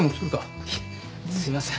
いえすいません。